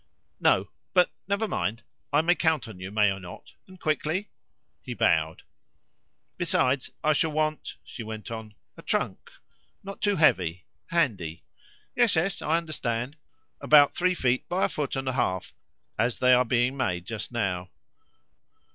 "No; but never mind. I may count on you, may I not, and quickly?" He bowed. "Besides, I shall want," she went on, "a trunk not too heavy handy." "Yes, yes, I understand. About three feet by a foot and a half, as they are being made just now."